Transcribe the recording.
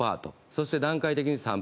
そして段階的に３％と。